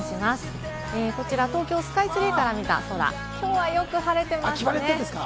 こちら東京スカイツリーから見た空、きょうは、よく晴れてますね。